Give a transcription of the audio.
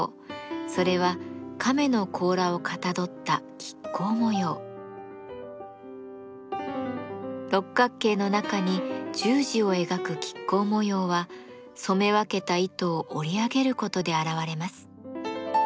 それは亀の甲羅をかたどった六角形の中に十字を描く亀甲模様は染め分けた糸を織り上げることで現れます。